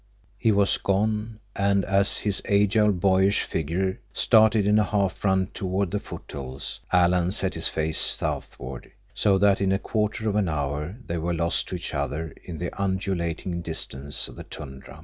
He was gone, and as his agile, boyish figure started in a half run toward the foothills, Alan set his face southward, so that in a quarter of an hour they were lost to each other in the undulating distances of the tundra.